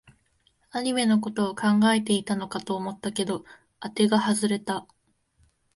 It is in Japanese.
アニメのことを考えていたのかと思ったけど、あてが外れた